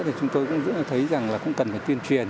thì chúng tôi cũng thấy rằng là cũng cần phải tuyên truyền